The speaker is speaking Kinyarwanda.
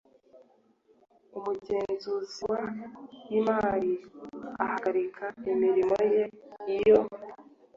Umugenzuzi w imari ahagarika imirimo ye iyo